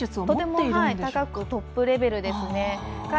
とても高くトップレベルですね。